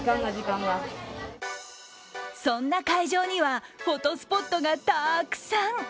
そんな会場には、フォトスポットがたくさん。